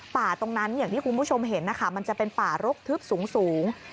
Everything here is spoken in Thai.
ป่าตรงนั้นอย่างที่คุณผู้ชมเห็นนะคะมันจะเป็นป่ารกทึบสูง